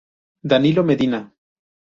Danilo Medina.